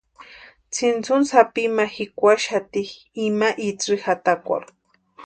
Tsintsuni sápi ma jikwaxati ima itsï jatakwarhu.